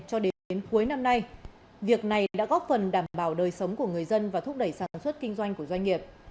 cho đến cuối năm nay việc này đã góp phần đảm bảo đời sống của người dân và thúc đẩy sản xuất kinh doanh của doanh nghiệp